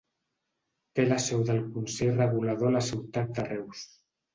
Té la seu del consell regulador a la ciutat de Reus.